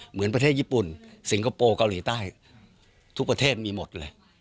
เหมือนประเทศญี่ปุ่นสิงคโปร์เกาหลีใต้ทุกประเทศมีหมดเลย